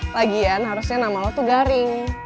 lagian harusnya nama lo tuh garing